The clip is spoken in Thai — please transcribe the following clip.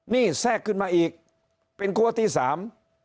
นี่แทรกขึ้นมาอีกเป็นครัวที่สาม